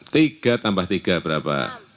tiga tambah tiga berapa